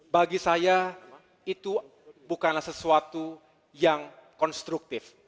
bagi saya itu bukanlah sesuatu yang konstruktif